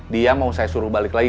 dia mau saya suruh balik lagi